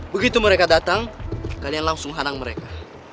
begitu mereka datang kalian langsung hanang mereka